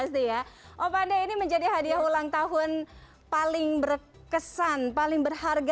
disini sudah ada apri grecia